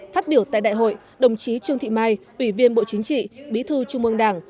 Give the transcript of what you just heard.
phát biểu tại đại hội đồng chí trương thị mai ủy viên bộ chính trị bí thư trung ương đảng